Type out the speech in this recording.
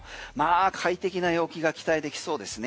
快適な陽気が期待できそうですね。